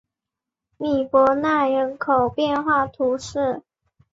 尚博纳人口变化图示